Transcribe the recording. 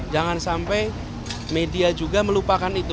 jangan sampai media juga melupakan itu